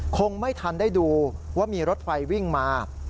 คงไม่ทันได้ดูว่ามีรถไฟวิ่งมา